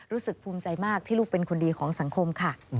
รู้สึกภูมิใจมากที่ลูกเป็นคนดีของสังคมค่ะ